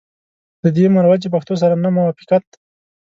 له دې مروجي پښتو سره نه موافقت.